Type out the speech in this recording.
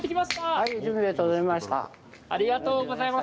ありがとうございます。